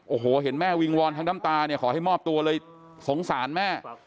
โอ้โหเห็นแม่วิงวอนทั้งน้ำตาเนี่ยขอให้มอบตัวเลยสงสารแม่